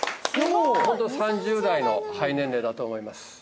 ホント３０代の肺年齢だと思います